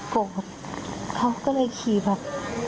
ผมเขาก็เลยขี่แบบ